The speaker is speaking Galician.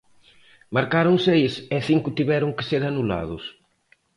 Mercaron seis e cinco tiveron que ser anulados.